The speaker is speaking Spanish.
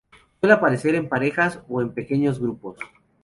Suele aparecer en parejas o en pequeños grupos.